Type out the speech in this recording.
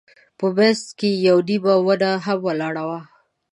په منځ کې یوه نیمه ونه هم ولاړه وه.